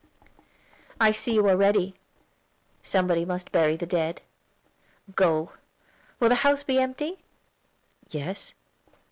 "I see you are ready. Somebody must bury the dead. Go. Will the house be empty?" "Yes."